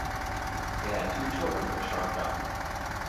They had two children, but Sharp died.